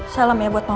salam ya buat kamu